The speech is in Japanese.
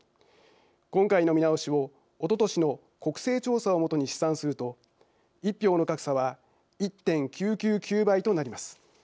今回の見直しをおととしの国勢調査を基に試算すると１票の格差は１．９９９倍となります。